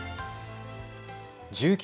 １９